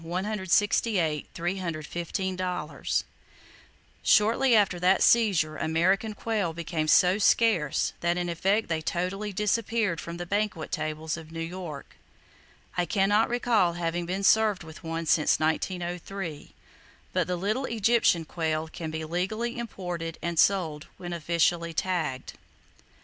[Page 69] Shortly after that seizure American quail became so scarce that in effect they totally disappeared from the banquet tables of New York. I can not recall having been served with one since 1903, but the little Egyptian quail can be legally imported and sold when officially tagged.